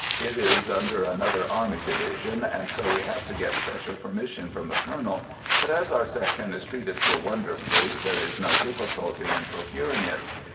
It is under another army di vision, and so we have to get special per mission from the Colonel, but as our Section is treated so wonderfully there is no difficulty in procuring it.